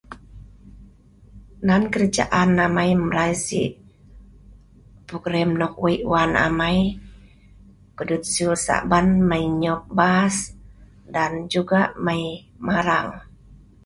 Na kerajaan amai mrai si program nok wei wan amai, ko'dut sul Saban mai nyop bas, ngan tah mai marang.